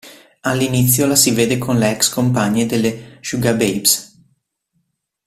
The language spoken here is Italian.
All'inizio la si vede con le ex compagne delle Sugababes.